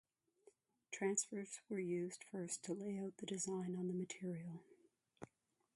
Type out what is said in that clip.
Transfers were used first to lay out the design on the material.